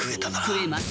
食えます。